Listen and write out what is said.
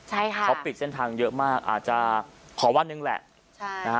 เขาปิดเส้นทางเยอะมากอาจจะขอวันนึงแหละ